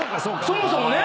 そもそもね。